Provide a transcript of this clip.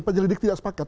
penyelidik tidak sepakat